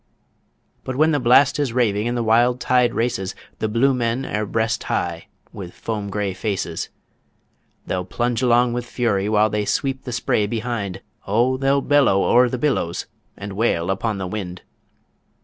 But when the blast is raving and the wild tide races, The Blue Men ere breast high with foam grey faces; They'll plunge along with fury while they sweep the spray behind, O, they'll bellow o'er the billows and wail upon the wind.